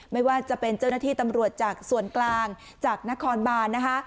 ไม่ว่าจะเป็นเจ้าหน้าที่ตำรวจจากส่วนกลางจากนครบานนะคะ